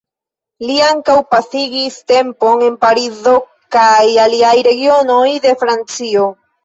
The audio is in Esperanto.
Li ankaŭ pasigis tempon en Parizo kaj aliaj regionoj de Francio.